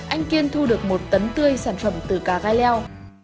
anh kiên thu được một tấn tươi sản phẩm từ cá gai leo